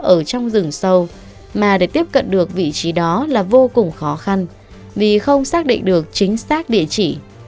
ở trong rừng sâu mà để tiếp cận được vị trí đó là vô cùng khó khăn vì không xác định được chính xác địa chỉ